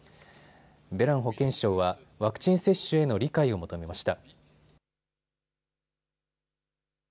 ベラン保健相はワクチン接種への理解を求めました。